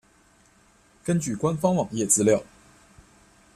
根据官方网页资料。